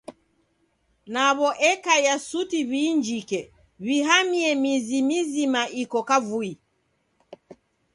Naw'o ekaia suti w'iinjike, w'ihamie mizi mizima iko kavui.